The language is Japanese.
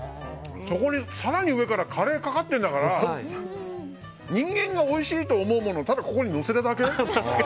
そこに更に上からカレーかかってるんだから人間がおいしいと思うものをただここにのせただけ。